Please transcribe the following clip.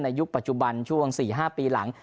ยุคปัจจุบันช่วง๔๕ปีหลัง